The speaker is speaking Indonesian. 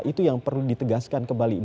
itu yang perlu ditegaskan kembali